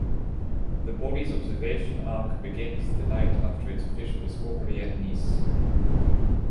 The body's observation arc begins the night after its official discovery at Nice.